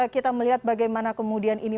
kita melihat bagaimana kemudian ini